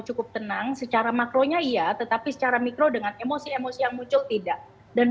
cukup tenang secara makronya iya tetapi secara mikro dengan emosi emosi yang muncul tidak dan